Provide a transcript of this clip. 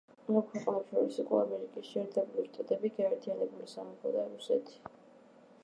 ამ ქვეყნებს შორის იყო ამერიკის შეერთებული შტატები, გაერთიანებული სამეფო და რუსეთი.